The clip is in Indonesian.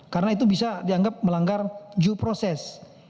karena itu bisa dianggap melanggar ju proses